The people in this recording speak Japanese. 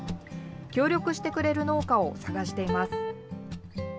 協力してくれる農家を探しています。